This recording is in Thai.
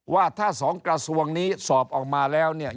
ว่าถ้าสองกระทรวงนี้สอบออกมาแล้วเนี่ย